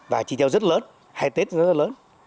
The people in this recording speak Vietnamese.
và chi tiêu rất lớn hay tết rất là lớn